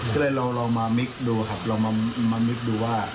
ก็เลยลองมามิกดูครับลองมานึกดูว่า